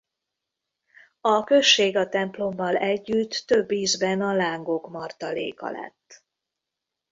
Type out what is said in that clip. A község a templommal együtt több ízben a lángok martaléka lett.